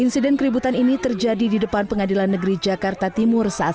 insiden keributan ini terjadi di depan pengadilan negeri jakarta timur saat